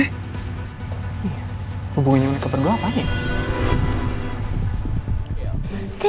hubungannya mereka berdua apa nih